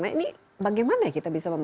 nah ini bagaimana kita bisa